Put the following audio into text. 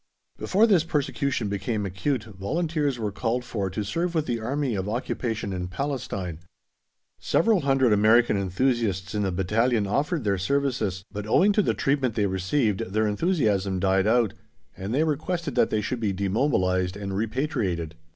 Before this persecution became acute volunteers were called for to serve with the Army of Occupation in Palestine. Several hundred American enthusiasts in the battalion offered their services, but owing to the treatment they received their enthusiasm died out, and they requested that they should be demobilized and repatriated.